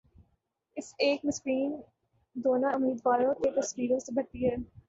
اس ایک میں سکرین دونوں امیدواروں کی تصویروں سے بھرتی ہے